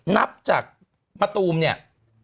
นับจากมะตูมเนี่ย